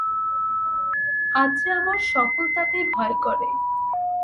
আজ যে আমার সকলতাতেই ভয় করে।